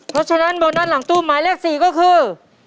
เพราะฉะนั้นโบนัสหลังตู้หมายเลข๔ก็คือ